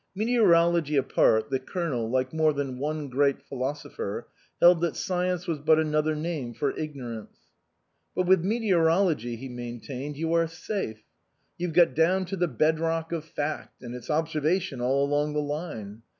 Meteorology apart, the Colonel, like more than one great philosopher, held that science was but another name for ignorance. " But with meteorology," he maintained, " you are safe. You've got down to the bed rock of fact, and it's observation all along the line.